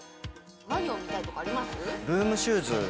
何を見たいとかあります？